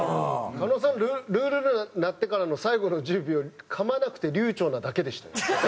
狩野さん「ルールル」鳴ってからの最後の１０秒かまなくて流暢なだけでしたよ。